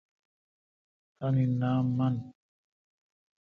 تان نام من۔